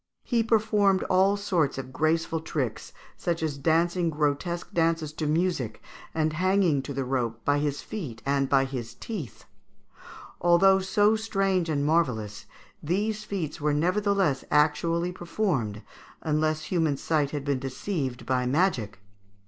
He performed all sorts of graceful tricks, such as dancing grotesque dances to music and hanging to the rope by his feet and by his teeth. Although so strange and marvellous, these feats were nevertheless actually performed, unless human sight had been deceived by magic.